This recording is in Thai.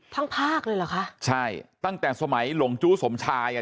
ภาคเลยเหรอคะใช่ตั้งแต่สมัยหลงจู้สมชายอ่ะ